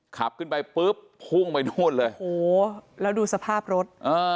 ขับขึ้นไปปุ๊บพุ่งไปนู่นเลยโอ้โหแล้วดูสภาพรถ